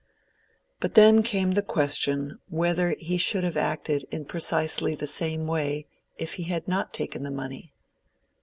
But then came the question whether he should have acted in precisely the same way if he had not taken the money?